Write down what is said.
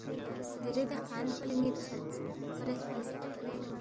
دیرے دے خان پو لہ نِ٘ت ژھدس، کھورے ہلتس